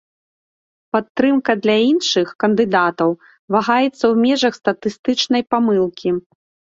Падтрымка для іншых кандыдатаў вагаецца ў межах статыстычнай памылкі.